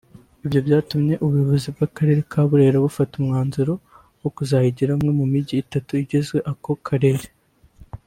Ibyo byatumye ubuyobozi bw’akarere ka Burera bufata umwanzuro wo kuzayigira umwe mu migi itatu igize ako karere